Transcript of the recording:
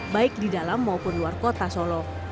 baik di dalam maupun luar kota solo